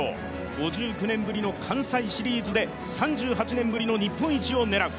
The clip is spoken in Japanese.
５９年ぶりの関西シリーズで３２年ぶりの日本一を狙う。